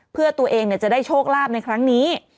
เพื่อตัวเองจะได้โชคลาภในครั้งนี้